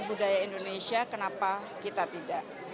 budaya indonesia kenapa kita tidak